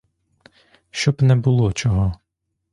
Щоб не було чого.